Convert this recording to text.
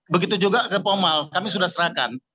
begitu juga ke pomal kami sudah serahkan